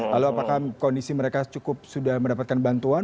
lalu apakah kondisi mereka cukup sudah mendapatkan bantuan